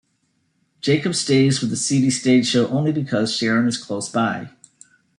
Jacob stays with the seedy stage show only because Sharon is close by.